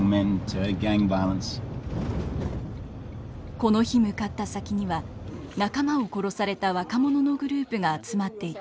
この日向かった先には仲間を殺された若者のグループが集まっていた。